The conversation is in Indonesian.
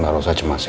gak usah cemas ya